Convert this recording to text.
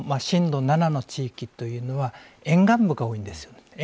震度７の地域というのは沿岸部が多いんですよね。